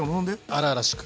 荒々しく！